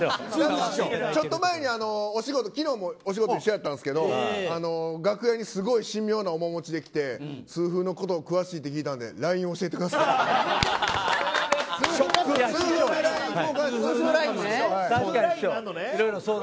ちょっと前に昨日もお仕事一緒だったんですけど楽屋にすごい神妙な面もちで来て痛風のこと詳しいて聞いたので痛風ＬＩＮＥね。